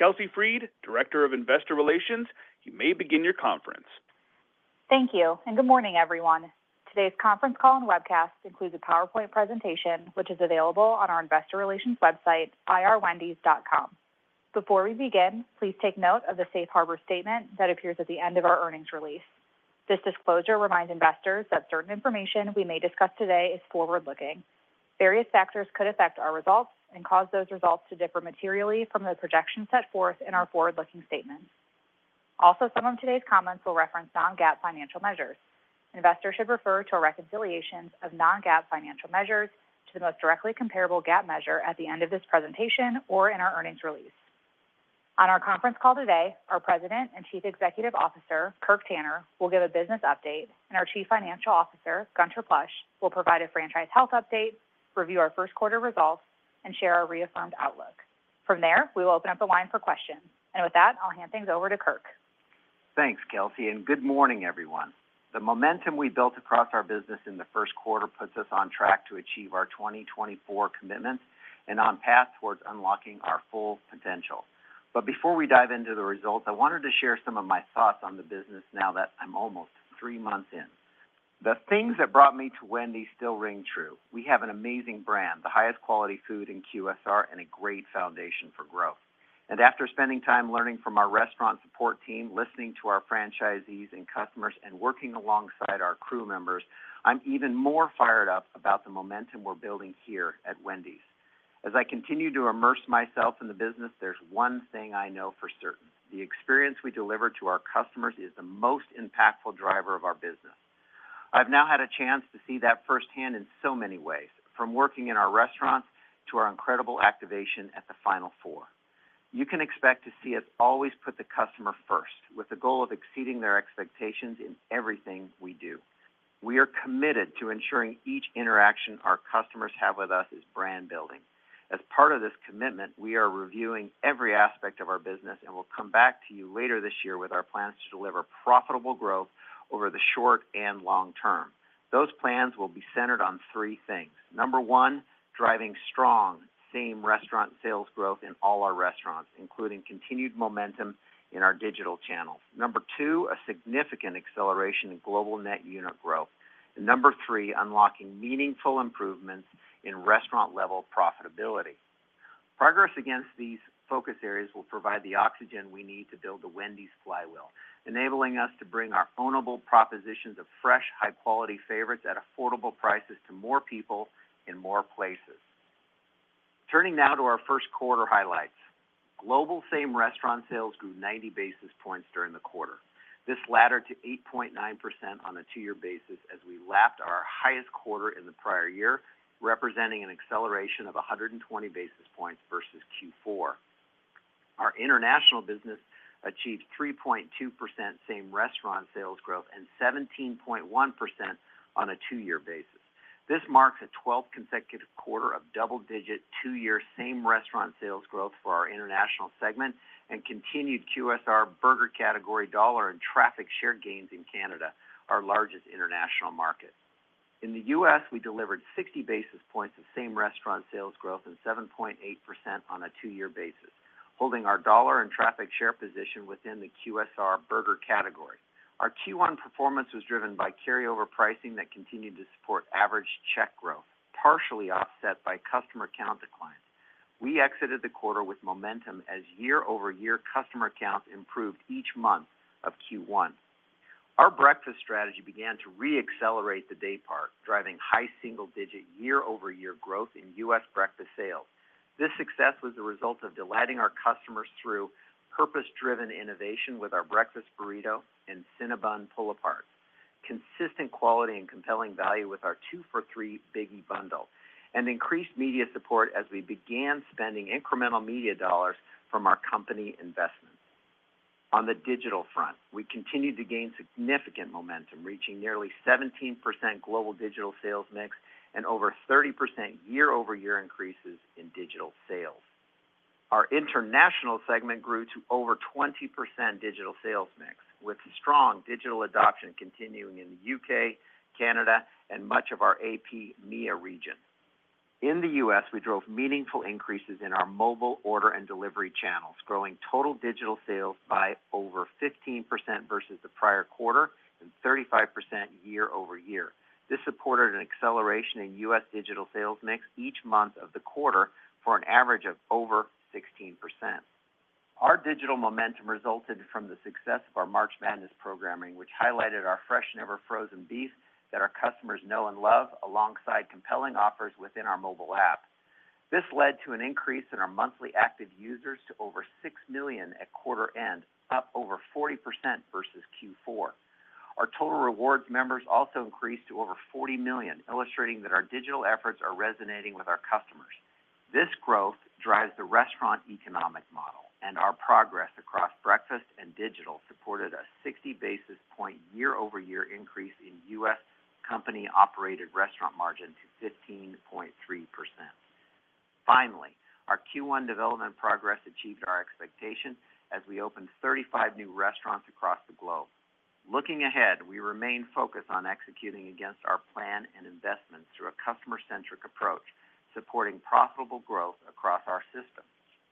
Kelsey Freed, Director of Investor Relations, you may begin your conference. Thank you, and good morning, everyone. Today's conference call and webcast includes a PowerPoint presentation, which is available on our investor relations website, ir.wendys.com. Before we begin, please take note of the safe harbor statement that appears at the end of our earnings release. This disclosure reminds investors that certain information we may discuss today is forward-looking. Various factors could affect our results and cause those results to differ materially from the projections set forth in our forward-looking statements. Also, some of today's comments will reference non-GAAP financial measures. Investors should refer to our reconciliations of non-GAAP financial measures to the most directly comparable GAAP measure at the end of this presentation or in our earnings release. On our conference call today, our President and Chief Executive Officer, Kirk Tanner, will give a business update, and our Chief Financial Officer, Gunther Plosch, will provide a franchise health update, review our first quarter results, and share our reaffirmed outlook. From there, we will open up the line for questions. And with that, I'll hand things over to Kirk. Thanks, Kelsey, and good morning, everyone. The momentum we built across our business in the first quarter puts us on track to achieve our 2024 commitments and on path towards unlocking our full potential. Before we dive into the results, I wanted to share some of my thoughts on the business now that I'm almost three months in. The things that brought me to Wendy's still ring true. We have an amazing brand, the highest quality food in QSR, and a great foundation for growth. After spending time learning from our restaurant support team, listening to our franchisees and customers, and working alongside our crew members, I'm even more fired up about the momentum we're building here at Wendy's. As I continue to immerse myself in the business, there's one thing I know for certain: the experience we deliver to our customers is the most impactful driver of our business. I've now had a chance to see that firsthand in so many ways, from working in our restaurants to our incredible activation at the Final Four. You can expect to see us always put the customer first, with the goal of exceeding their expectations in everything we do. We are committed to ensuring each interaction our customers have with us is brand building. As part of this commitment, we are reviewing every aspect of our business, and we'll come back to you later this year with our plans to deliver profitable growth over the short and long term. Those plans will be centered on three things. 1, driving strong same-restaurant sales growth in all our restaurants, including continued momentum in our digital channels. 2, a significant acceleration in global net unit growth. And 3, unlocking meaningful improvements in restaurant-level profitability. Progress against these focus areas will provide the oxygen we need to build a Wendy's flywheel, enabling us to bring our ownable propositions of fresh, high-quality favorites at affordable prices to more people in more places. Turning now to our first quarter highlights. Global same-restaurant sales grew 90 basis points during the quarter. This laddered to 8.9% on a two-year basis as we lapped our highest quarter in the prior year, representing an acceleration of 120 basis points versus Q4. Our international business achieved 3.2% same-restaurant sales growth and 17.1% on a two-year basis. This marks a 12 consecutive quarter of double-digit, two-year same-restaurant sales growth for our international segment and continued QSR burger category dollar and traffic share gains in Canada, our largest international market. In the U.S., we delivered 60 basis points of same-restaurant sales growth and 7.8% on a two-year basis, holding our dollar and traffic share position within the QSR burger category. Our Q1 performance was driven by carryover pricing that continued to support average check growth, partially offset by customer count decline. We exited the quarter with momentum as year-over-year customer counts improved each month of Q1. Our breakfast strategy began to reaccelerate the daypart, driving high single digit year-over-year growth in U.S. breakfast sales. This success was the result of delighting our customers through purpose-driven innovation with our Breakfast Burrito and Cinnabon Pull-Apart, consistent quality and compelling value with our 2-for-$3 Biggie Bundle, and increased media support as we began spending incremental media dollars from our company investments. On the digital front, we continued to gain significant momentum, reaching nearly 17% global digital sales mix and over 30% year-over-year increases in digital sales. Our international segment grew to over 20% digital sales mix, with strong digital adoption continuing in the U.K., Canada, and much of our APMEA region. In the U.S., we drove meaningful increases in our mobile order and delivery channels, growing total digital sales by over 15% versus the prior quarter and 35% year-over-year. This supported an acceleration in U.S. digital sales mix each month of the quarter for an average of over 16%. Our digital momentum resulted from the success of our March Madness programming, which highlighted our fresh, never frozen beef that our customers know and love, alongside compelling offers within our mobile app. This led to an increase in our monthly active users to over 6 million at quarter end, up over 40% versus Q4. Our total Rewards members also increased to over 40 million, illustrating that our digital efforts are resonating with our customers. This growth drives the restaurant economic model, and our progress across breakfast and digital supported a 60 basis points year-over-year increase in U.S. company-operated restaurant margin to 15.3%. Finally, our Q1 development progress achieved our expectation as we opened 35 new restaurants across the globe. Looking ahead, we remain focused on executing against our plan and investments through a customer-centric approach, supporting profitable growth across our system.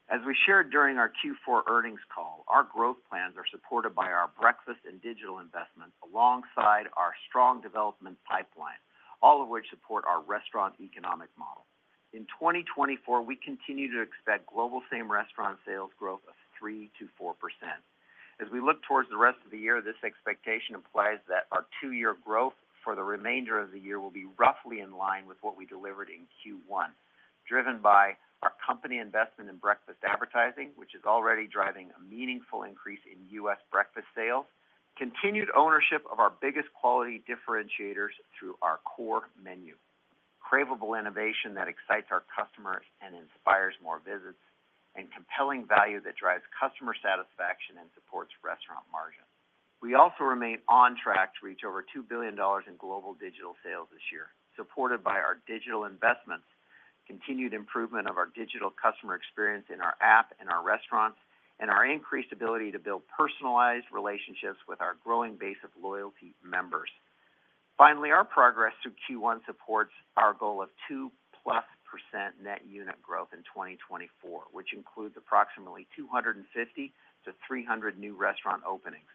As we shared during our Q4 earnings call, our growth plans are supported by our breakfast and digital investments, alongside our strong development pipeline, all of which support our restaurant economic model. In 2024, we continue to expect global same-restaurant sales growth of 3%-4%. As we look towards the rest of the year, this expectation implies that our two-year growth for the remainder of the year will be roughly in line with what we delivered in Q1, driven by our company investment in breakfast advertising, which is already driving a meaningful increase in U.S. breakfast sales, continued ownership of our biggest quality differentiators through our core menu, craveable innovation that excites our customers and inspires more visits, and compelling value that drives customer satisfaction and supports restaurant margins. We also remain on track to reach over $2 billion in global digital sales this year, supported by our digital investments, continued improvement of our digital customer experience in our app and our restaurants, and our increased ability to build personalized relationships with our growing base of loyalty members. Finally, our progress through Q1 supports our goal of 2%+ net unit growth in 2024, which includes approximately 250-300 new restaurant openings.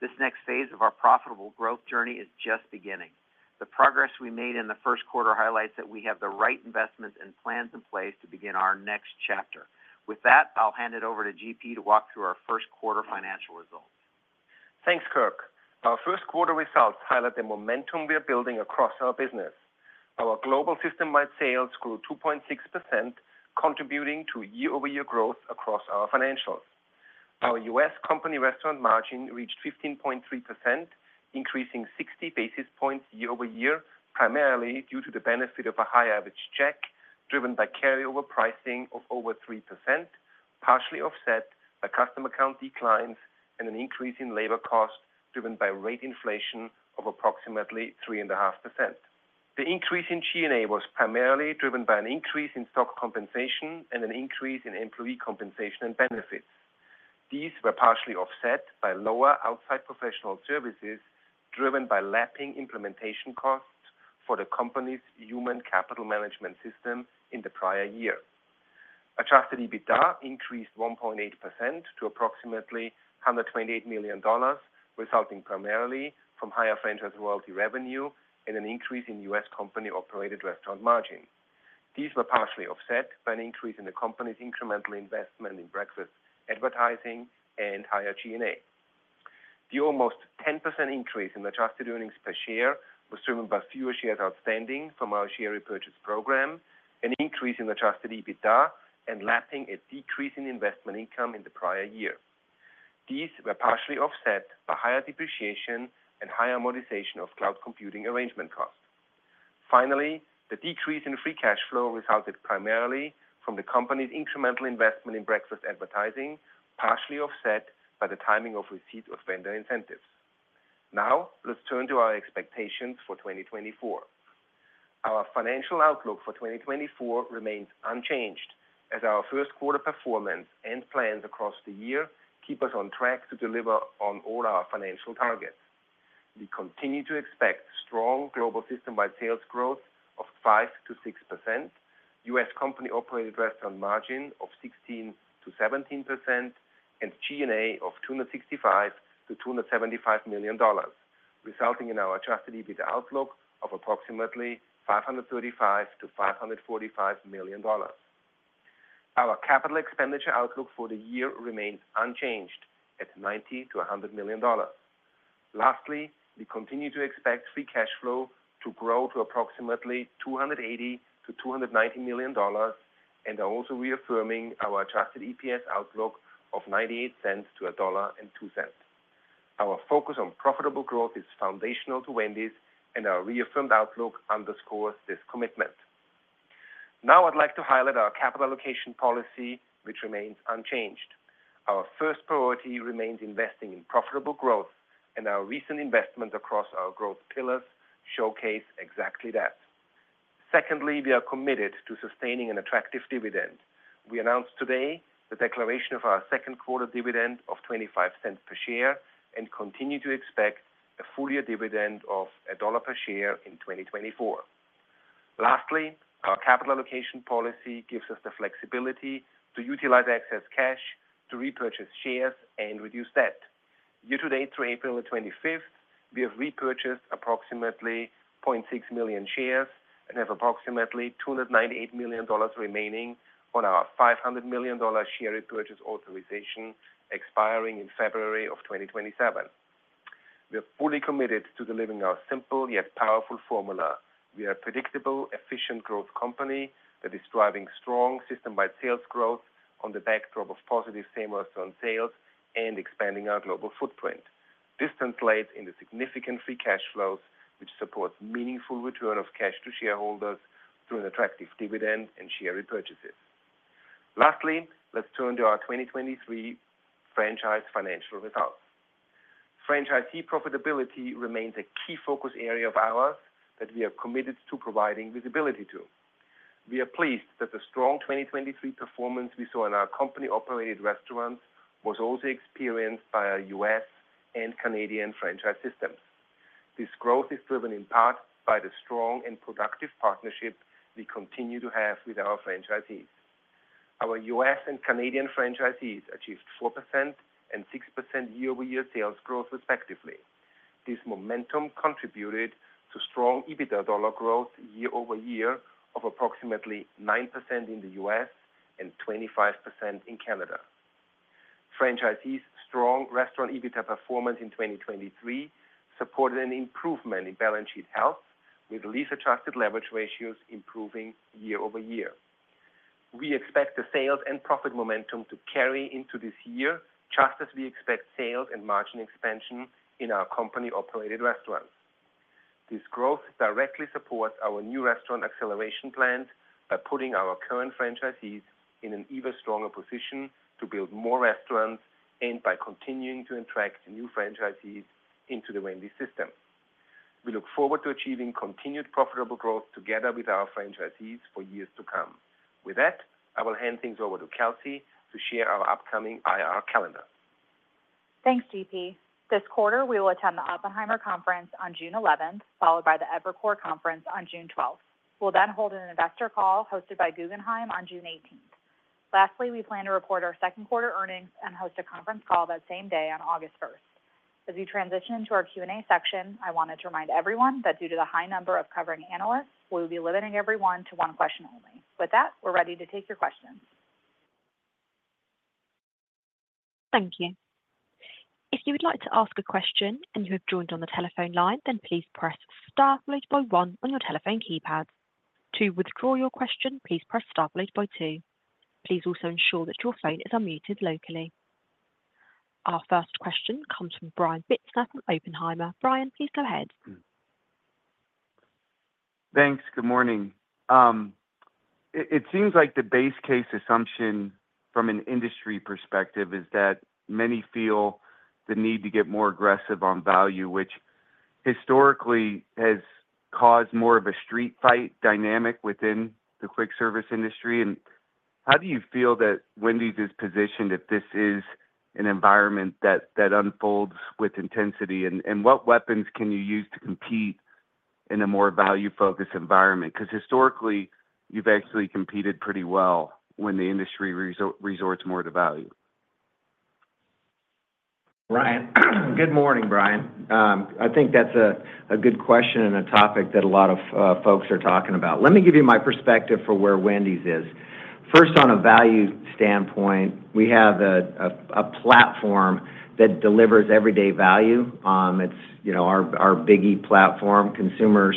This next phase of our profitable growth journey is just beginning. The progress we made in the first quarter highlights that we have the right investments and plans in place to begin our next chapter. With that, I'll hand it over to GP to walk through our first quarter financial results. Thanks, Kirk. Our first quarter results highlight the momentum we are building across our business. Our global system-wide sales grew 2.6%, contributing to year-over-year growth across our financials. Our U.S. company restaurant margin reached 15.3%, increasing 60 basis points year-over-year, primarily due to the benefit of a high average check, driven by carryover pricing of over 3%, partially offset by customer count declines and an increase in labor costs, driven by rate inflation of approximately 3.5%. The increase in G&A was primarily driven by an increase in stock compensation and an increase in employee compensation and benefits. These were partially offset by lower outside professional services, driven by lapping implementation costs for the company's human capital management system in the prior year. Adjusted EBITDA increased 1.8% to approximately $128 million, resulting primarily from higher franchise royalty revenue and an increase in US company-operated restaurant margin. These were partially offset by an increase in the company's incremental investment in breakfast advertising and higher G&A. The almost 10% increase in adjusted earnings per share was driven by fewer shares outstanding from our share repurchase program, an increase in Adjusted EBITDA, and lapping a decrease in investment income in the prior year. These were partially offset by higher depreciation and higher amortization of cloud computing arrangement costs. Finally, the decrease in free cash flow resulted primarily from the company's incremental investment in breakfast advertising, partially offset by the timing of receipt of vendor incentives. Now, let's turn to our expectations for 2024. Our financial outlook for 2024 remains unchanged, as our first quarter performance and plans across the year keep us on track to deliver on all our financial targets. We continue to expect strong global system-wide sales growth of 5%-6%, US company-operated restaurant margin of 16%-17%, and G&A of $265 million-$275 million, resulting in our Adjusted EBITDA outlook of approximately $535 million-$545 million. Our capital expenditure outlook for the year remains unchanged at $90 million-$100 million. Lastly, we continue to expect free cash flow to grow to approximately $280 million-$290 million, and are also reaffirming our Adjusted EPS outlook of $0.98-$1.02. Our focus on profitable growth is foundational to Wendy's, and our reaffirmed outlook underscores this commitment. Now I'd like to highlight our capital allocation policy, which remains unchanged. Our first priority remains investing in profitable growth, and our recent investments across our growth pillars showcase exactly that. Secondly, we are committed to sustaining an attractive dividend. We announced today the declaration of our second quarter dividend of $0.25 per share, and continue to expect a full year dividend of $1 per share in 2024. Lastly, our capital allocation policy gives us the flexibility to utilize excess cash to repurchase shares and reduce debt. Year to date, through April 25, we have repurchased approximately 0.6 million shares and have approximately $298 million remaining on our $500 million share repurchase authorization expiring in February of 2027. We are fully committed to delivering our simple yet powerful formula. We are a predictable, efficient growth company that is driving strong system-wide sales growth on the backdrop of positive same-restaurant sales and expanding our global footprint. This translates into significant free cash flows, which supports meaningful return of cash to shareholders through an attractive dividend and share repurchases. Lastly, let's turn to our 2023 franchise financial results. Franchisee profitability remains a key focus area of ours that we are committed to providing visibility to. We are pleased that the strong 2023 performance we saw in our company-operated restaurants was also experienced by our U.S. and Canadian franchise systems. This growth is driven in part by the strong and productive partnership we continue to have with our franchisees. Our U.S. and Canadian franchisees achieved 4% and 6% year-over-year sales growth, respectively. This momentum contributed to strong EBITDA dollar growth year-over-year of approximately 9% in the U.S. and 25% in Canada. Franchisees' strong restaurant EBITDA performance in 2023 supported an improvement in balance sheet health, with lease-adjusted leverage ratios improving year-over-year. We expect the sales and profit momentum to carry into this year, just as we expect sales and margin expansion in our company-operated restaurants. This growth directly supports our new restaurant acceleration plans by putting our current franchisees in an even stronger position to build more restaurants and by continuing to attract new franchisees into the Wendy's system. We look forward to achieving continued profitable growth together with our franchisees for years to come. With that, I will hand things over to Kelsey to share our upcoming IR calendar. Thanks, GP. This quarter, we will attend the Oppenheimer Conference on June eleventh, followed by the Evercore Conference on June twelfth. We'll then hold an investor call hosted by Guggenheim on June eighteenth. Lastly, we plan to report our second quarter earnings and host a conference call that same day on August first. As we transition into our Q&A section, I wanted to remind everyone that due to the high number of covering analysts, we will be limiting everyone to one question only. With that, we're ready to take your questions. Thank you. If you would like to ask a question and you have joined on the telephone line, then please press star followed by one on your telephone keypad. To withdraw your question, please press star followed by two. Please also ensure that your phone is unmuted locally. Our first question comes from Brian Bittner from Oppenheimer. Brian, please go ahead. Thanks. Good morning. It seems like the base case assumption from an industry perspective is that many feel the need to get more aggressive on value, which historically has caused more of a street fight dynamic within the quick service industry. How do you feel that Wendy's is positioned, if this is an environment that unfolds with intensity? And what weapons can you use to compete in a more value-focused environment? Because historically, you've actually competed pretty well when the industry resorts more to value. Brian. Good morning, Brian. I think that's a good question and a topic that a lot of folks are talking about. Let me give you my perspective for where Wendy's is. First, on a value standpoint, we have a platform that delivers everyday value. It's, you know, our Biggie platform. Consumers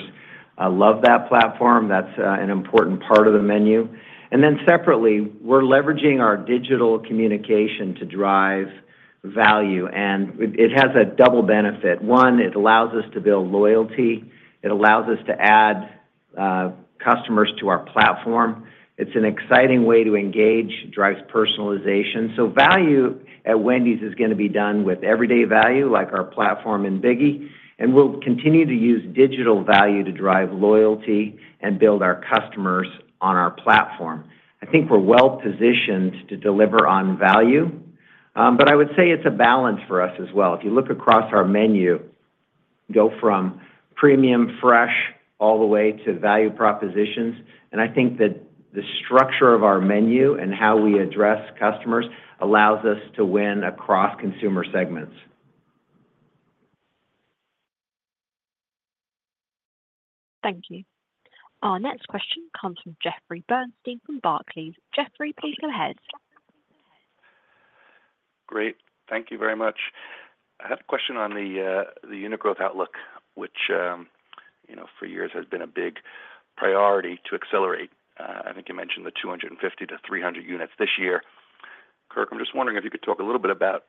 love that platform. That's an important part of the menu. And then separately, we're leveraging our digital communication to drive value, and it has a double benefit. One, it allows us to build loyalty, it allows us to add customers to our platform. It's an exciting way to engage, drives personalization. So value at Wendy's is gonna be done with everyday value, like our platform in Biggie, and we'll continue to use digital value to drive loyalty and build our customers on our platform. I think we're well positioned to deliver on value, but I would say it's a balance for us as well. If you look across our menu, go from premium, fresh, all the way to value propositions, and I think that the structure of our menu and how we address customers allows us to win across consumer segments. Thank you. Our next question comes from Jeffrey Bernstein from Barclays. Jeffrey, please go ahead. Great. Thank you very much. I have a question on the unit growth outlook, which, you know, for years has been a big priority to accelerate. I think you mentioned the 250-300 units this year. Kirk, I'm just wondering if you could talk a little bit about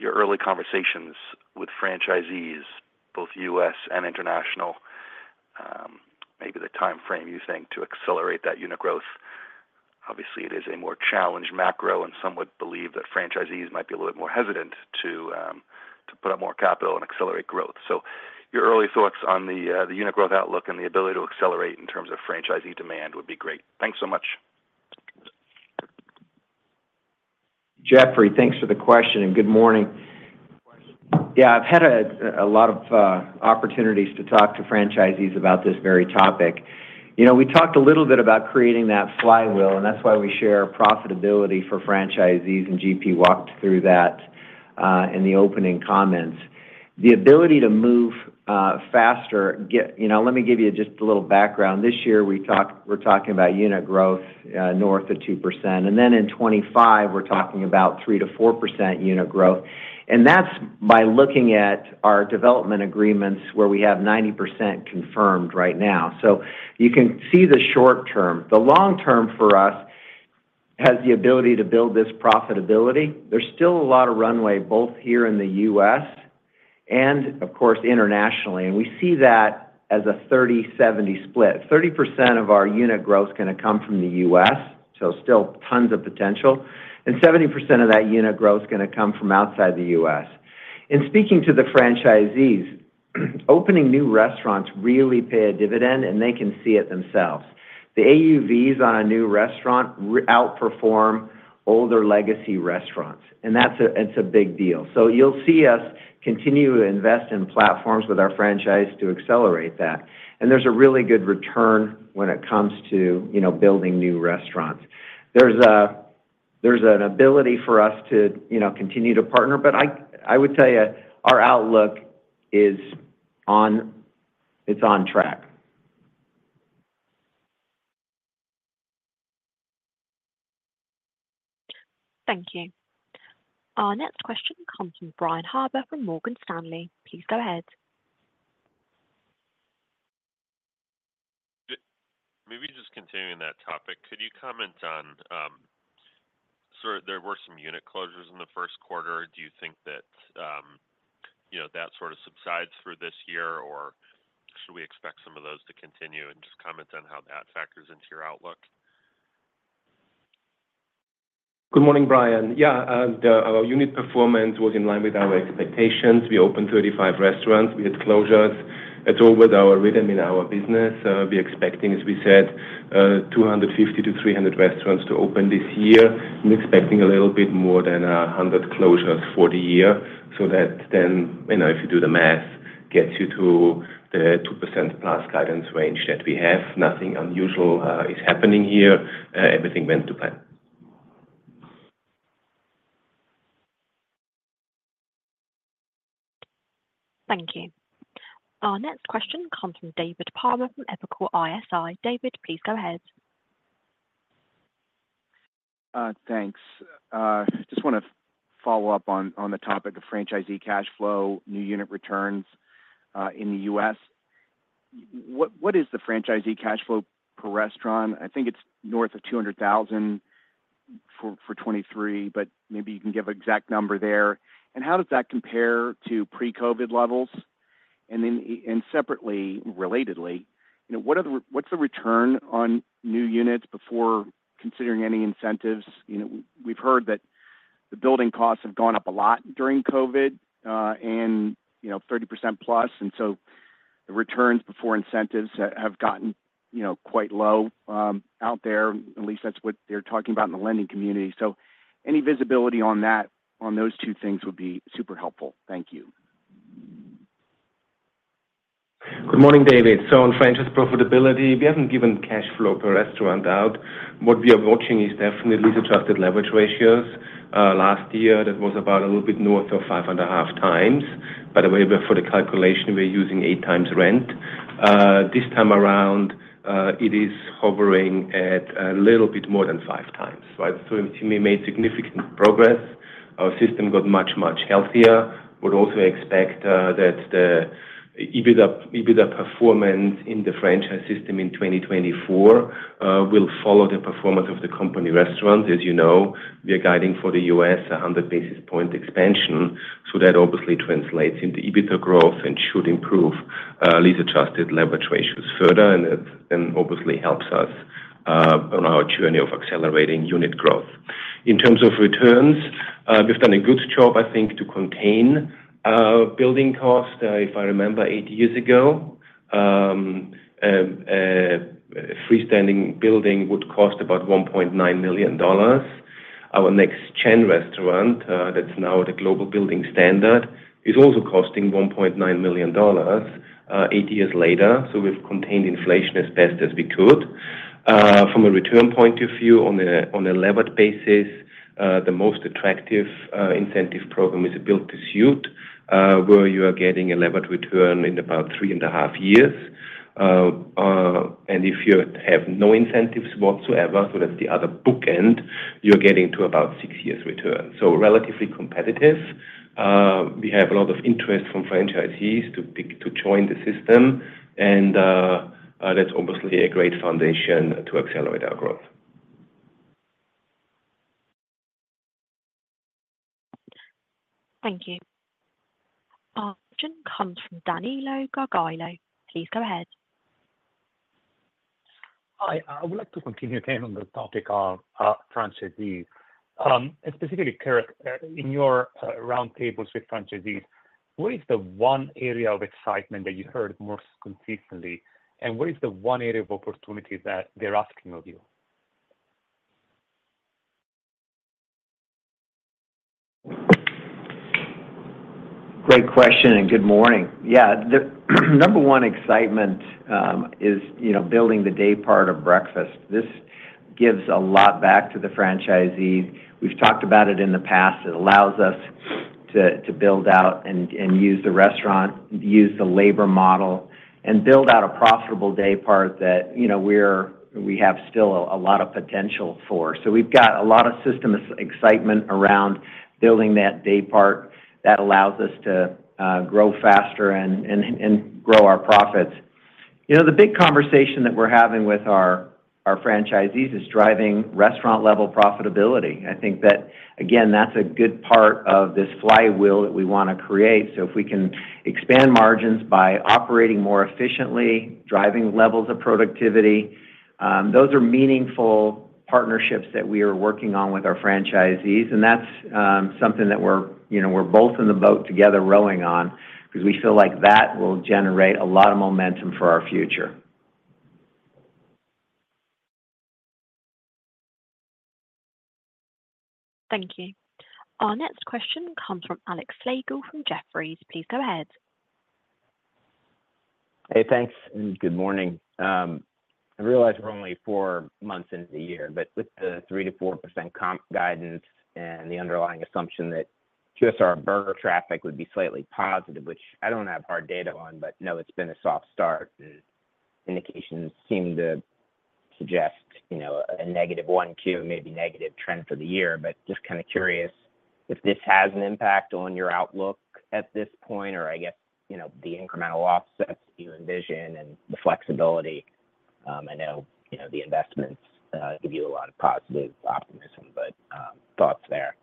your early conversations with franchisees, both U.S. and international, maybe the timeframe you think to accelerate that unit growth. Obviously, it is a more challenged macro, and some would believe that franchisees might be a little more hesitant to put up more capital and accelerate growth. So your early thoughts on the unit growth outlook and the ability to accelerate in terms of franchisee demand would be great. Thanks so much. Jeffrey, thanks for the question, and good morning. Yeah, I've had a lot of opportunities to talk to franchisees about this very topic. You know, we talked a little bit about creating that flywheel, and that's why we share profitability for franchisees, and GP walked through that in the opening comments. The ability to move faster. You know, let me give you just a little background. This year, we're talking about unit growth north of 2%, and then in 25, we're talking about 3%-4% unit growth, and that's by looking at our development agreements, where we have 90% confirmed right now. So you can see the short term. The long term, for us, has the ability to build this profitability. There's still a lot of runway, both here in the U.S.-... Of course, internationally, and we see that as a 30/70 split. 30% of our unit growth is going to come from the US, so still tons of potential, and 70% of that unit growth is going to come from outside the US. In speaking to the franchisees, opening new restaurants really pay a dividend, and they can see it themselves. The AUVs on a new restaurant outperform older legacy restaurants, and that's, it's a big deal. So you'll see us continue to invest in platforms with our franchise to accelerate that. And there's a really good return when it comes to, you know, building new restaurants. There's, there's an ability for us to, you know, continue to partner, but I would tell you, our outlook is on, it's on track. Thank you. Our next question comes from Brian Harbour from Morgan Stanley. Please go ahead. Maybe just continuing that topic, could you comment on... So there were some unit closures in the first quarter. Do you think that, you know, that sort of subsides through this year, or should we expect some of those to continue? And just comment on how that factors into your outlook. Good morning, Brian. Yeah, our unit performance was in line with our expectations. We opened 35 restaurants, we had closures. It's all with our rhythm in our business. We're expecting, as we said, 250-300 restaurants to open this year. We're expecting a little bit more than 100 closures for the year. So that then, you know, if you do the math, gets you to the 2%+ guidance range that we have. Nothing unusual is happening here. Everything went to plan. Thank you. Our next question comes from David Palmer from Evercore ISI. David, please go ahead. Thanks. Just want to follow up on the topic of franchisee cash flow, new unit returns, in the U.S. What is the franchisee cash flow per restaurant? I think it's north of $200,000 for 2023, but maybe you can give an exact number there. And how does that compare to pre-COVID levels? And then, separately, relatedly, you know, what's the return on new units before considering any incentives? You know, we've heard that the building costs have gone up a lot during COVID, and, you know, 30%+, and so the returns before incentives have gotten, you know, quite low out there. At least that's what they're talking about in the lending community. So any visibility on that, on those two things would be super helpful. Thank you. Good morning, David. So on franchise profitability, we haven't given cash flow per restaurant out. What we are watching is definitely lease-adjusted leverage ratios. Last year, that was about a little bit north of 5.5 times. By the way, for the calculation, we're using 8 times rent. This time around, it is hovering at a little bit more than 5 times, right? So we made significant progress. Our system got much, much healthier. Would also expect that the EBITDA, EBITDA performance in the franchise system in 2024 will follow the performance of the company restaurant. As you know, we are guiding for the U.S. a 100 basis point expansion, so that obviously translates into EBITDA growth and should improve lease-adjusted leverage ratios further, and it, and obviously helps us on our journey of accelerating unit growth. In terms of returns, we've done a good job, I think, to contain building cost. If I remember eight years ago, a freestanding building would cost about $1.9 million. Our Next Gen restaurant, that's now the global building standard, is also costing $1.9 million, eight years later. So we've contained inflation as best as we could. From a return point of view, on a levered basis, the most attractive incentive program is a build-to-suit, where you are getting a levered return in about three and a half years. And if you have no incentives whatsoever, so that's the other bookend, you're getting to about six years return. So relatively competitive. We have a lot of interest from franchisees to join the system, and that's obviously a great foundation to accelerate our growth. Thank you. Our next question comes from Danilo Gargiulo. Please go ahead. Hi, I would like to continue again on the topic of franchisees. Specifically, Kirk, in your roundtables with franchisees, what is the one area of excitement that you heard most consistently, and what is the one area of opportunity that they're asking of you? Great question, and good morning. Yeah, the number one excitement is, you know, building the daypart of breakfast. This gives a lot back to the franchisees. We've talked about it in the past. It allows us to build out and use the restaurant, use the labor model, and build out a profitable daypart that, you know, we have still a lot of potential for. So we've got a lot of system excitement around building that daypart that allows us to grow faster and grow our profits.... You know, the big conversation that we're having with our franchisees is driving restaurant-level profitability. I think that, again, that's a good part of this flywheel that we wanna create. So if we can expand margins by operating more efficiently, driving levels of productivity, those are meaningful partnerships that we are working on with our franchisees, and that's something that we're, you know, we're both in the boat together rowing on, because we feel like that will generate a lot of momentum for our future. Thank you. Our next question comes from Alex Slagle from Jefferies. Please go ahead. Hey, thanks, and good morning. I realize we're only four months into the year, but with the 3%-4% comp guidance and the underlying assumption that QSR burger traffic would be slightly positive, which I don't have hard data on, but know it's been a soft start. The indications seem to suggest, you know, a negative 1-2, maybe negative trend for the year. But just kind of curious if this has an impact on your outlook at this point, or I guess, you know, the incremental offsets you envision and the flexibility. I know, you know, the investments give you a lot of positive optimism, but, thoughts there.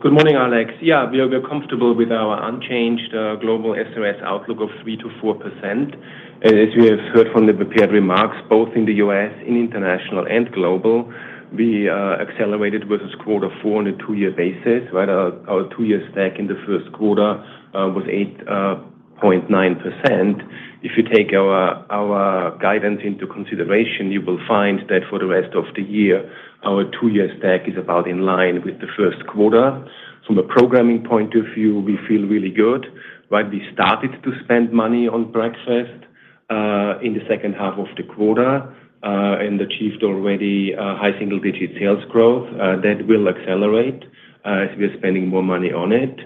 Good morning, Alex. Yeah, we are, we're comfortable with our unchanged global SRS outlook of 3%-4%. And as you have heard from the prepared remarks, both in the U.S., in international, and global, we accelerated versus quarter four on a two-year basis, right? Our, our two-year stack in the first quarter was 8.9%. If you take our, our guidance into consideration, you will find that for the rest of the year, our two-year stack is about in line with the first quarter. From a programming point of view, we feel really good, right? We started to spend money on breakfast in the second half of the quarter and achieved already high single-digit sales growth. That will accelerate as we are spending more money on it.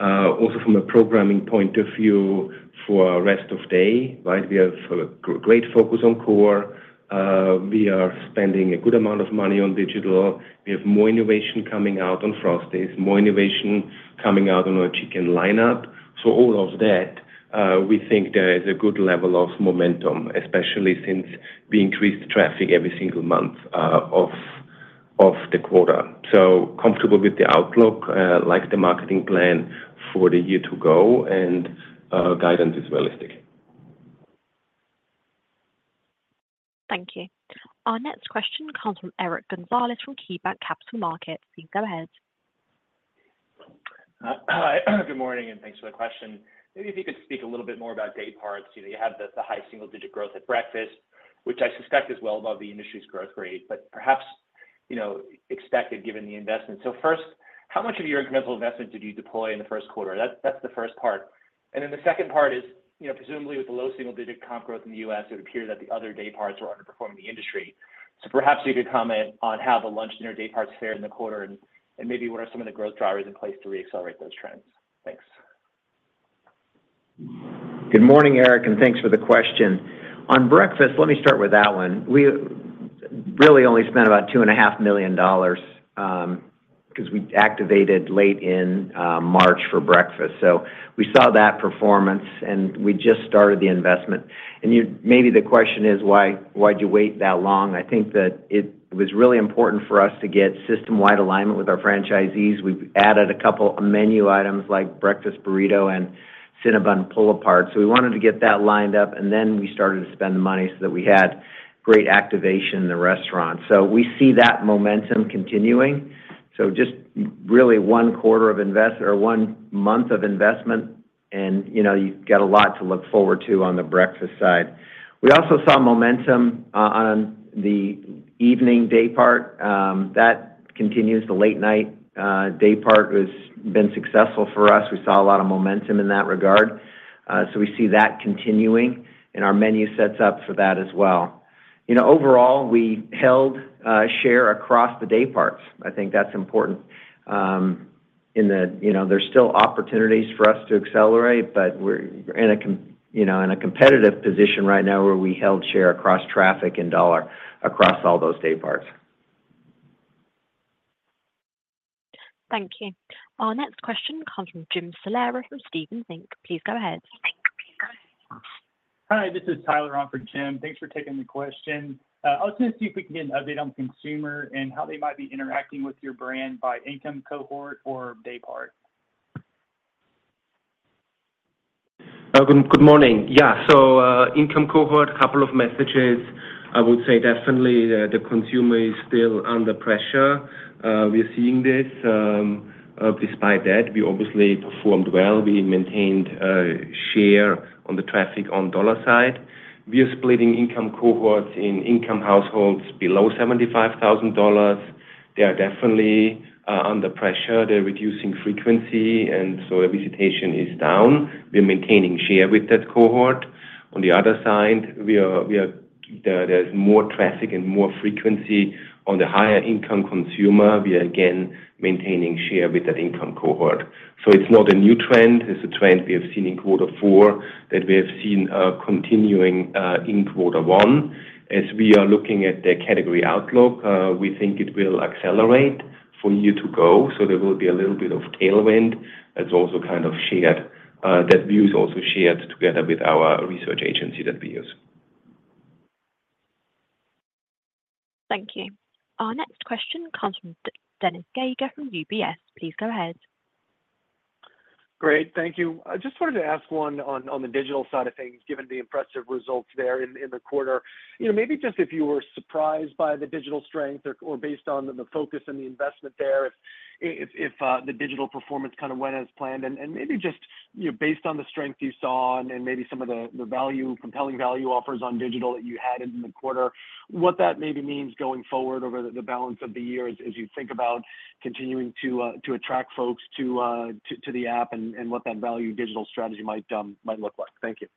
Also from a programming point of view, for our rest of day, right, we have a great focus on core. We are spending a good amount of money on digital. We have more innovation coming out on Frosties, more innovation coming out on our chicken lineup. So all of that, we think there is a good level of momentum, especially since we increased traffic every single month of the quarter. So comfortable with the outlook, like the marketing plan for the year to go, and guidance is realistic. Thank you. Our next question comes from Eric Gonzalez from KeyBanc Capital Markets. Please go ahead. Hi, good morning, and thanks for the question. Maybe if you could speak a little bit more about dayparts. You know, you have the, the high single digit growth at breakfast, which I suspect is well above the industry's growth rate, but perhaps, you know, expected given the investment. So first, how much of your incremental investment did you deploy in the first quarter? That's, that's the first part. And then the second part is, you know, presumably with the low single digit comp growth in the U.S., it would appear that the other dayparts are underperforming the industry. So perhaps you could comment on how the lunch and dinner dayparts fared in the quarter, and, and maybe what are some of the growth drivers in place to reaccelerate those trends. Thanks. Good morning, Eric, and thanks for the question. On breakfast, let me start with that one. We really only spent about $2.5 million, 'cause we activated late in March for breakfast. So we saw that performance, and we just started the investment. And you, maybe the question is: Why, why'd you wait that long? I think that it was really important for us to get system-wide alignment with our franchisees. We've added a couple of menu items, like Breakfast Burrito and Cinnabon Pull-Apart. So we wanted to get that lined up, and then we started to spend the money so that we had great activation in the restaurant. So we see that momentum continuing. So just really one quarter of investment or one month of investment, and, you know, you've got a lot to look forward to on the breakfast side. We also saw momentum on the evening daypart. That continues. The late-night daypart has been successful for us. We saw a lot of momentum in that regard, so we see that continuing, and our menu sets up for that as well. You know, overall, we held share across the dayparts. I think that's important, in that, you know, there's still opportunities for us to accelerate, but we're in a competitive position right now, where we held share across traffic and dollar across all those dayparts. Thank you. Our next question comes from Jim Salera from Stephens Inc. Please go ahead. Hi, this is Tyler on for Jim. Thanks for taking the question. I was gonna see if we can get an update on consumer and how they might be interacting with your brand by income cohort or daypart? Good, good morning. Yeah, so, income cohort, couple of messages. I would say definitely the consumer is still under pressure. We are seeing this. Despite that, we obviously performed well. We maintained share on the traffic on dollar side. We are splitting income cohorts in income households below $75,000. They are definitely under pressure. They're reducing frequency, and so our visitation is down. We're maintaining share with that cohort. On the other side, there, there's more traffic and more frequency on the higher income consumer. We are, again, maintaining share with that income cohort. So it's not a new trend. It's a trend we have seen in quarter four, that we have seen continuing in quarter one. As we are looking at the category outlook, we think it will accelerate for year to go, so there will be a little bit of tailwind. That's also kind of shared, that view is also shared together with our research agency that we use. Thank you. Our next question comes from Dennis Geiger from UBS. Please go ahead. Great. Thank you. I just wanted to ask one on the digital side of things, given the impressive results there in the quarter. You know, maybe just if you were surprised by the digital strength or, or based on the focus and the investment there, if the digital performance kind of went as planned. And maybe just, you know, based on the strength you saw and maybe some of the value, compelling value offers on digital that you had in the quarter, what that maybe means going forward over the balance of the year as you think about continuing to attract folks to the app and what that value digital strategy might look like. Thank you.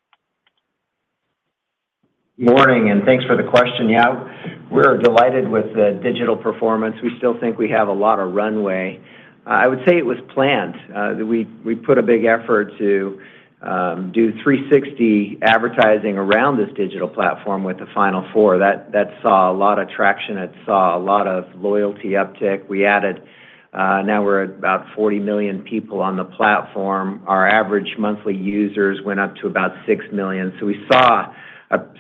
Morning, and thanks for the question. Yeah, we're delighted with the digital performance. We still think we have a lot of runway. I would say it was planned that we put a big effort to do 360 advertising around this digital platform with the Final Four. That saw a lot of traction. It saw a lot of loyalty uptick. We added now we're at about 40 million people on the platform. Our average monthly users went up to about 6 million. So we saw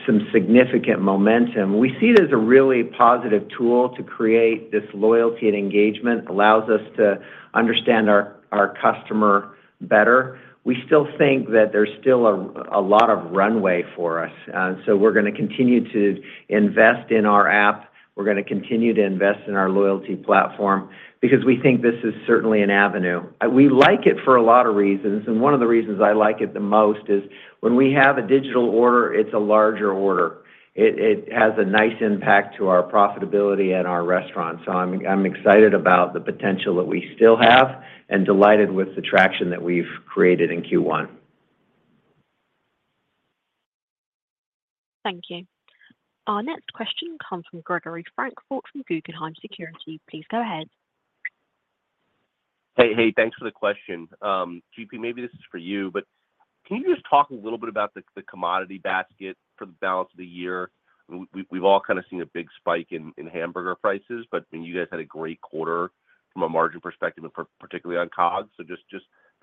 some significant momentum. We see it as a really positive tool to create this loyalty and engagement, allows us to understand our customer better. We still think that there's still a lot of runway for us. So we're gonna continue to invest in our app. We're gonna continue to invest in our loyalty platform because we think this is certainly an avenue. We like it for a lot of reasons, and one of the reasons I like it the most is when we have a digital order, it's a larger order. It, it has a nice impact to our profitability and our restaurants. So I'm, I'm excited about the potential that we still have and delighted with the traction that we've created in Q1. Thank you. Our next question comes from Gregory Francfort from Guggenheim Securities. Please go ahead. Hey, hey, thanks for the question. GP, maybe this is for you, but can you just talk a little bit about the commodity basket for the balance of the year? We've all kind of seen a big spike in hamburger prices, but I mean, you guys had a great quarter from a margin perspective, and particularly on COGS. So just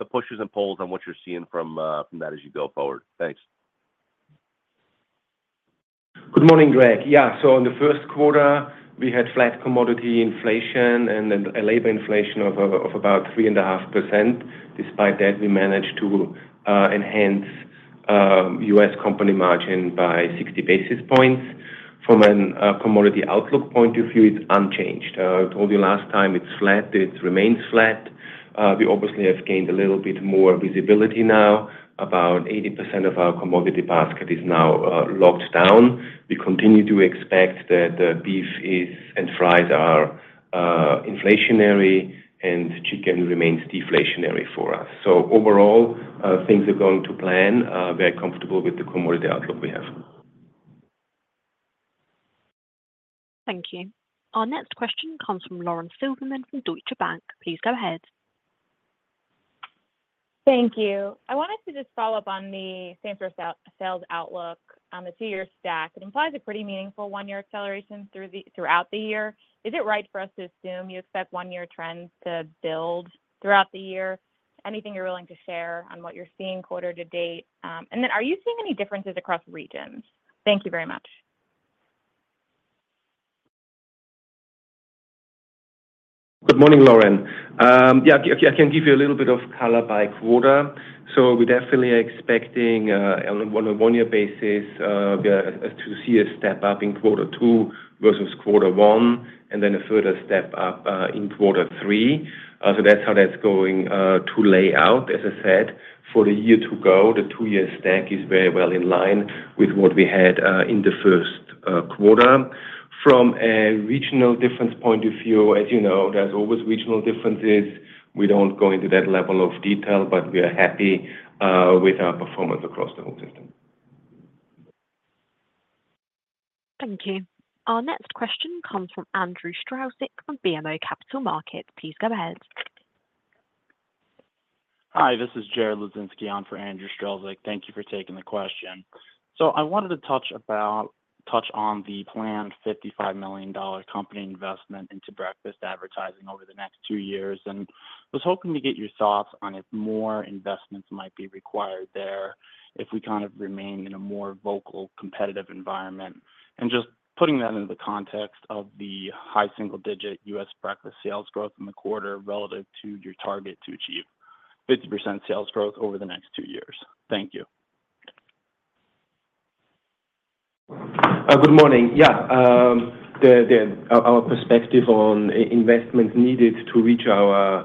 the pushes and pulls on what you're seeing from that as you go forward. Thanks. Good morning, Greg. Yeah, so in the first quarter, we had flat commodity inflation and then a labor inflation of about 3.5%. Despite that, we managed to enhance U.S. company margin by 60 basis points. From a commodity outlook point of view, it's unchanged. I told you last time, it's flat. It remains flat. We obviously have gained a little bit more visibility now. About 80% of our commodity basket is now locked down. We continue to expect that beef is, and fries are, inflationary and chicken remains deflationary for us. So overall, things are going to plan, very comfortable with the commodity outlook we have. Thank you. Our next question comes from Lauren Silberman from Deutsche Bank. Please go ahead. Thank you. I wanted to just follow up on the same-store sales outlook on the two-year stack. It implies a pretty meaningful one-year acceleration throughout the year. Is it right for us to assume you expect one-year trends to build throughout the year? Anything you're willing to share on what you're seeing quarter to date? And then are you seeing any differences across regions? Thank you very much. Good morning, Lauren. Yeah, I can give you a little bit of color by quarter. So we definitely are expecting on a year-on-year basis to see a step up in quarter two versus quarter one, and then a further step up in quarter three. So that's how that's going to lay out. As I said, for the year to go, the two-year stack is very well in line with what we had in the first quarter. From a regional difference point of view, as you know, there's always regional differences. We don't go into that level of detail, but we are happy with our performance across the whole system. Thank you. Our next question comes from Andrew Strelzik of BMO Capital Markets. Please go ahead. Hi, this is Jared Hludzinski on for Andrew Strelzik. Thank you for taking the question. So I wanted to touch on the planned $55 million company investment into breakfast advertising over the next two years, and was hoping to get your thoughts on if more investments might be required there, if we kind of remain in a more vocal, competitive environment. And just putting that into the context of the high single-digit US breakfast sales growth in the quarter, relative to your target to achieve 50% sales growth over the next two years. Thank you. Good morning. Yeah, our perspective on investments needed to reach our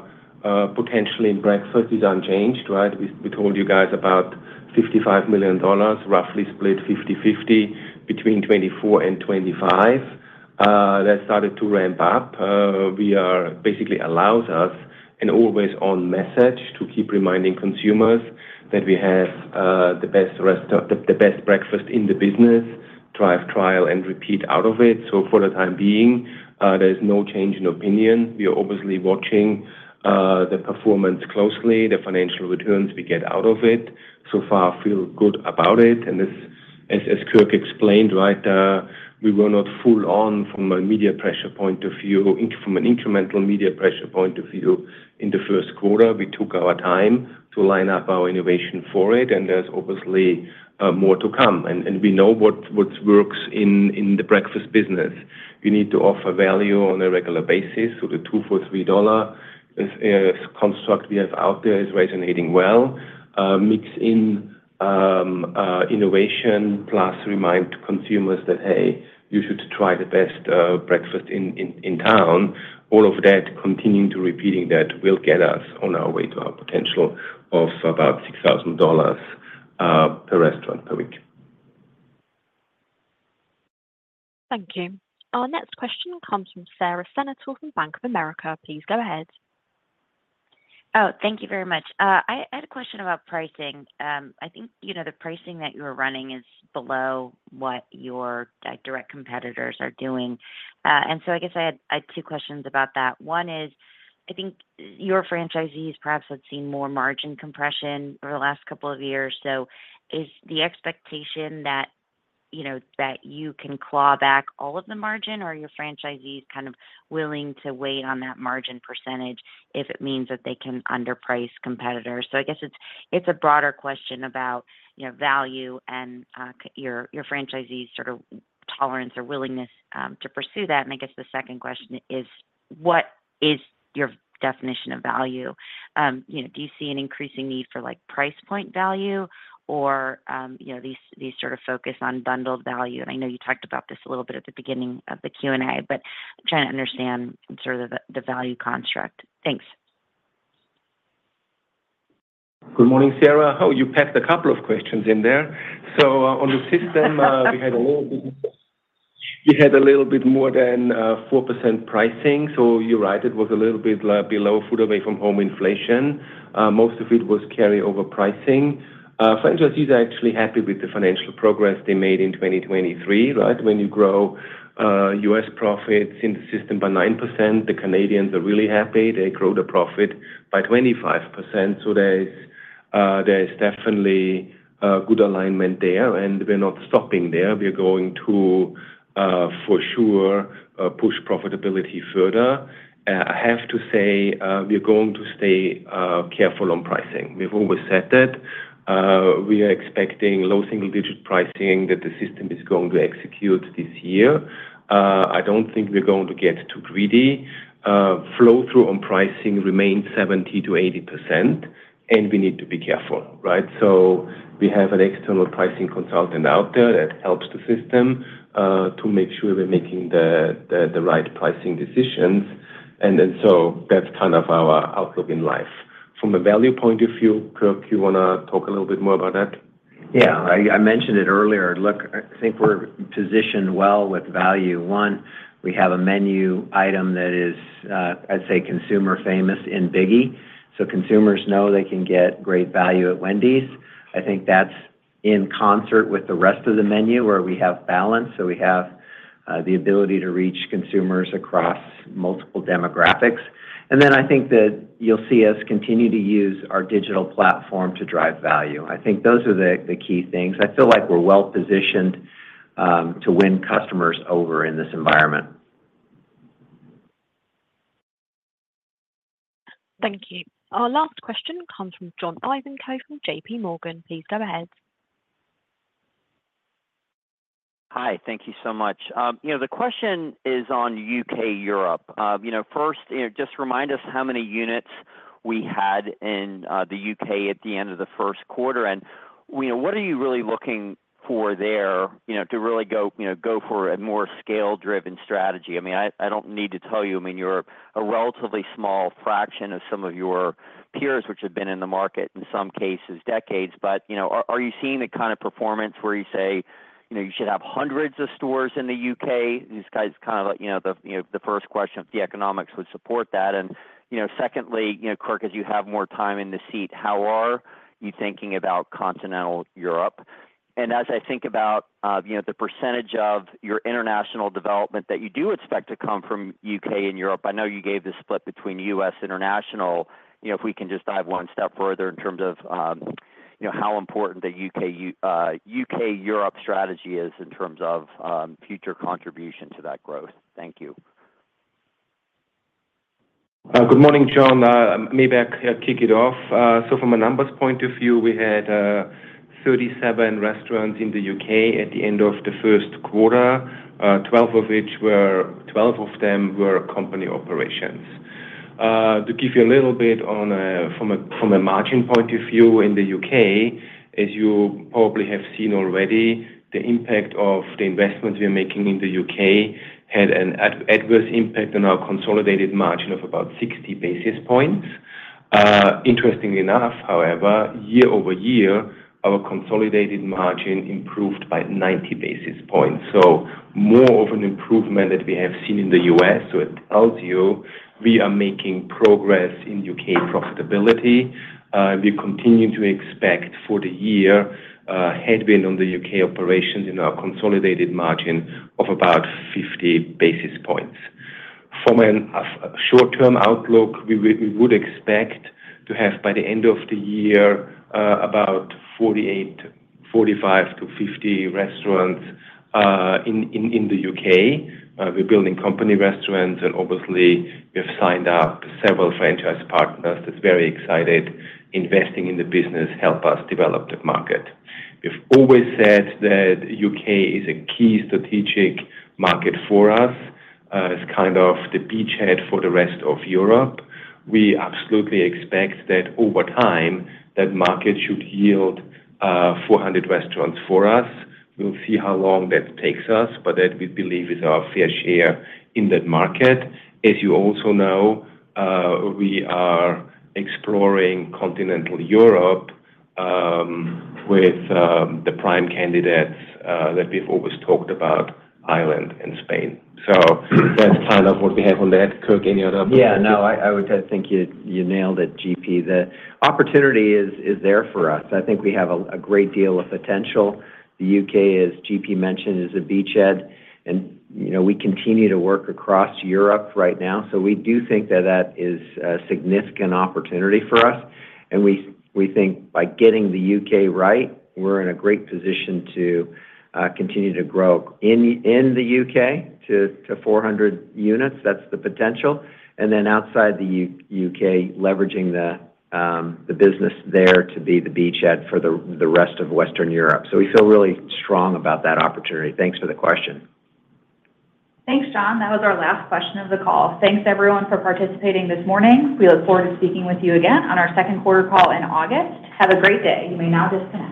potential in breakfast is unchanged, right? We told you guys about $55 million, roughly split 50/50 between 2024 and 2025. That started to ramp up. Basically allows us an always-on message to keep reminding consumers that we have the best breakfast in the business, drive trial and repeat out of it. So for the time being, there is no change in opinion. We are obviously watching the performance closely, the financial returns we get out of it. So far, feel good about it, and as Kirk explained, we were not full on from a media pressure point of view, from an incremental media pressure point of view. In the first quarter, we took our time to line up our innovation for it, and there's obviously more to come, and we know what works in the breakfast business. We need to offer value on a regular basis, so the 2 for $3 is a construct we have out there is resonating well, mix in innovation, plus remind consumers that, "Hey, you should try the best breakfast in town." All of that, continuing to repeating that will get us on our way to our potential of about $6,000 per restaurant per week. Thank you. Our next question comes from Sara Senatore from Bank of America. Please go ahead. Oh, thank you very much. I had a question about pricing. I think, you know, the pricing that you are running is below what your direct competitors are doing. And so I guess I had two questions about that. One is, I think your franchisees perhaps have seen more margin compression over the last couple of years. So is the expectation that, you know, that you can claw back all of the margin, or are your franchisees kind of willing to wait on that margin percentage if it means that they can underprice competitors? So I guess it's a broader question about, you know, value and your franchisees sort of tolerance or willingness to pursue that. And I guess the second question is: What is your definition of value? You know, do you see an increasing need for, like, price point value or, you know, these, these sort of focus on bundled value? And I know you talked about this a little bit at the beginning of the Q&A, but I'm trying to understand sort of the, the value construct. Thanks. Good morning, Sara. Oh, you packed a couple of questions in there. So, on the system, we had a little bit, we had a little bit more than, 4% pricing, so you're right, it was a little bit, below food away from home inflation. Most of it was carryover pricing. Franchisees are actually happy with the financial progress they made in 2023, right? When you grow, US profits in the system by 9%, the Canadians are really happy. They grow the profit by 25%, so there is, there is definitely a good alignment there, and we're not stopping there. We are going to, for sure, push profitability further. I have to say, we're going to stay, careful on pricing. We've always said that. We are expecting low single-digit pricing that the system is going to execute this year. I don't think we're going to get too greedy. Flow-through on pricing remains 70%-80%, and we need to be careful, right? So we have an external pricing consultant out there that helps the system to make sure we're making the, the, the right pricing decisions. And then, so that's kind of our outlook in life. From a value point of view, Kirk, you wanna talk a little bit more about that? Yeah. I, I mentioned it earlier. Look, I think we're positioned well with value. One, we have a menu item that is, I'd say, consumer famous in Biggie, so consumers know they can get great value at Wendy's. I think that's in concert with the rest of the menu, where we have balance, so we have, the ability to reach consumers across multiple demographics. And then I think that you'll see us continue to use our digital platform to drive value. I think those are the, the key things. I feel like we're well positioned, to win customers over in this environment. Thank you. Our last question comes from John Ivanko from JPMorgan. Please go ahead. Hi. Thank you so much. You know, the question is on UK, Europe. You know, first, you know, just remind us how many units we had in the UK at the end of the first quarter, and, you know, what are you really looking for there, you know, to really go, you know, go for a more scale-driven strategy? I mean, I don't need to tell you, I mean, you're a relatively small fraction of some of your peers, which have been in the market in some cases, decades. But, you know, are you seeing the kind of performance where you say, "You know, you should have hundreds of stores in the UK?" This is kind of like, you know, the first question if the economics would support that. You know, secondly, you know, Kirk, as you have more time in the seat, how are you thinking about Continental Europe? As I think about, you know, the percentage of your international development that you do expect to come from U.K. and Europe, I know you gave the split between U.S. and international, you know, if we can just dive one step further in terms of, you know, how important the U.K., U.K.-Europe strategy is in terms of, future contribution to that growth. Thank you. Good morning, John. Maybe I could kick it off. So from a numbers point of view, we had 37 restaurants in the U.K. at the end of the first quarter, 12 of which were company operations. To give you a little bit on from a margin point of view in the U.K., as you probably have seen already, the impact of the investments we are making in the U.K. had an adverse impact on our consolidated margin of about 60 basis points. Interestingly enough, however, year-over-year, our consolidated margin improved by 90 basis points, so more of an improvement that we have seen in the U.S. So it tells you we are making progress in U.K. profitability. We continue to expect for the year, headwind on the U.K. operations in our consolidated margin of about 50 basis points. From a short-term outlook, we would expect to have, by the end of the year, about 48, 45-50 restaurants in the U.K. We're building company restaurants, and obviously, we have signed up several franchise partners that's very excited, investing in the business, help us develop the market. We've always said that U.K. is a key strategic market for us, it's kind of the beachhead for the rest of Europe. We absolutely expect that over time, that market should yield 400 restaurants for us. We'll see how long that takes us, but that we believe is our fair share in that market. As you also know, we are exploring Continental Europe, with the prime candidates that we've always talked about, Ireland and Spain. So that's kind of what we have on that. Kirk, any other- Yeah, no, I would kind of think you nailed it, GP. The opportunity is there for us. I think we have a great deal of potential. The U.K., as GP mentioned, is a beachhead, and, you know, we continue to work across Europe right now, so we do think that is a significant opportunity for us. And we think by getting the U.K. right, we're in a great position to continue to grow in the U.K. to 400 units. That's the potential. And then outside the U.K., leveraging the business there to be the beachhead for the rest of Western Europe. So we feel really strong about that opportunity. Thanks for the question. Thanks, John. That was our last question of the call. Thanks, everyone, for participating this morning. We look forward to speaking with you again on our second quarter call in August. Have a great day. You may now disconnect.